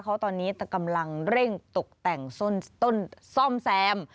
เขาตอนนี้กำลังเร่งตกแต่งต้นซ่อมแซม